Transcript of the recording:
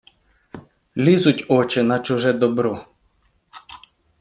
Лізуть очи на чуже добро.